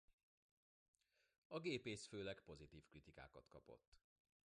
A gépész főleg pozitív kritikákat kapott.